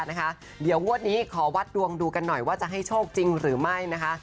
เดี๋ยวงวดนี้ขอวัดดวงดูกันหน่อยว่าจะให้โชคจริงหรือไม่นะคะ